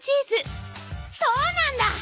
そうなんだ！